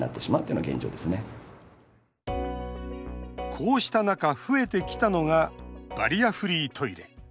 こうした中、増えてきたのがバリアフリートイレ。